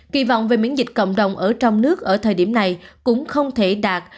kỳ vọng về miễn dịch cộng đồng ở trong nước ở thời điểm này cũng không thể đạt